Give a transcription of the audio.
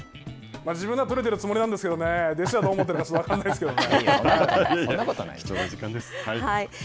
自分では取れているつもりなんですけど弟子はどう思っているか分からないですけどね。